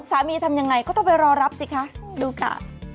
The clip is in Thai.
ทำยังไงก็ต้องไปรอรับสิคะดูค่ะ